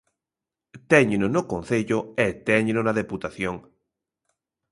Téñeno no Concello e téñeno na Deputación.